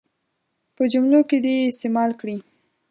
په جملو کې دې یې استعمال کړي.